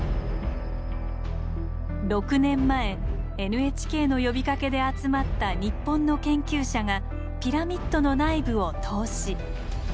６年前ＮＨＫの呼びかけで集まった日本の研究者がピラミッドの内部を透視。